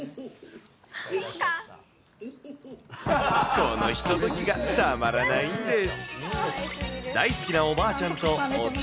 このひとときがたまらないんです。